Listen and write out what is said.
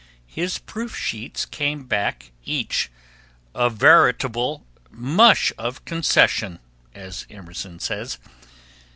His proof sheets came back each a veritable "mush of concession," as Emerson says.